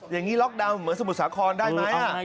อย่างนี้ล็อกดาวน์เหมือนสมุทรสาครได้ไหม